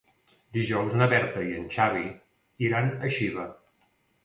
Dijous na Berta i en Xavi iran a Xiva.